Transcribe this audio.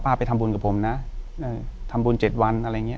ป้าไปทำบุญกับผมน่ะเอ่อทำบุญเจ็ดวันอะไรอย่างเงี้ย